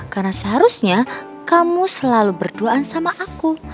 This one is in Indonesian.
karena seharusnya kamu selalu berduaan sama aku